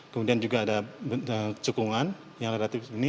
kemudian juga ada cekungan yang relatif tinggi